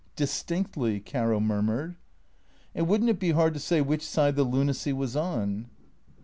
("Distinctly," Caro murmured.) " And would n't it be hard to say which side the lunacy was on?"